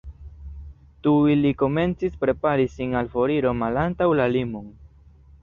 Tuj li komencis prepari sin al foriro malantaŭ la limon.